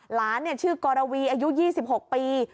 หลานชื่อกรวีอายุ๒๖ปี